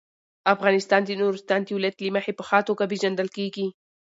افغانستان د نورستان د ولایت له مخې په ښه توګه پېژندل کېږي.